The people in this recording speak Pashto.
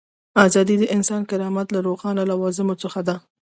ازادي د انساني کرامت له روښانه لوازمو څخه ده.